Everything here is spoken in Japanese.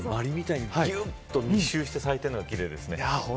ぎゅっと密集して咲いてるのが奇麗ですね。